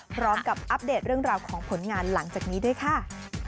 อัปเดตเรื่องราวของผลงานหลังจากนี้ด้วยค่ะ